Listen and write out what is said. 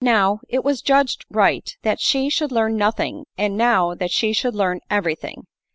Now, it was judged right that she should learn nothing, and now, that she should learn every thing.